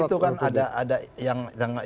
dulu itu kan ada yang rame ya mengenai